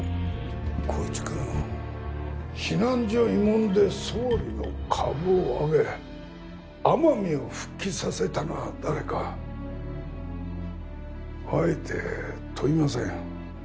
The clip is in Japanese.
紘一君避難所慰問で総理の株を上げ天海を復帰させたのは誰かあえて問いません